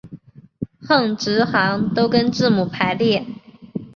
横直行都跟字母排列。